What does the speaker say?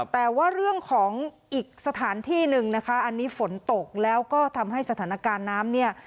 แต่ว่าเรื่องของอีกสถานที่หนึ่งนะคะอันนี้ฝนตกแล้วก็ทำให้สถานการณ์น้ำเนี่ย